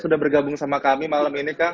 sudah bergabung sama kami malam ini kang